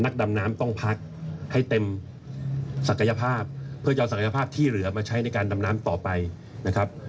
ดำน้ำต้องพักให้เต็มศักยภาพเพื่อจะเอาศักยภาพที่เหลือมาใช้ในการดำน้ำต่อไปนะครับ